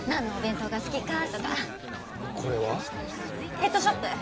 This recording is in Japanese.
ペットショップ！